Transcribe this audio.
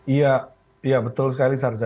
iya betul sekali sarja